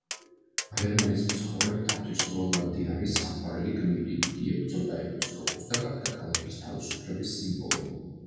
ბრემენის მცხოვრებთათვის როლანდი არის საყვარელი გმირი, იგი ებრძოდა ეპისკოპოსს და გახდა ქალაქის თავისუფლების სიმბოლო.